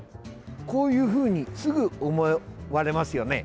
こういうふうにすぐ思われますよね。